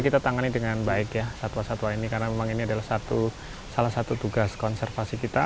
kita tangani dengan baik ya satwa satwa ini karena memang ini adalah salah satu tugas konservasi kita